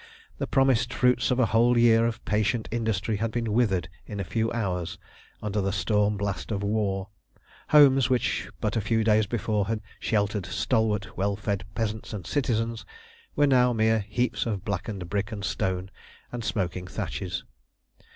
The promised fruits of a whole year of patient industry had been withered in a few hours under the storm blast of war; homes which but a few days before had sheltered stalwart, well fed peasants and citizens, were now mere heaps of blackened brick and stone and smoking thatches.